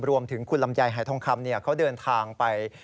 รวมถึงคุณลำไยหายทองคำเขาเดินทางไป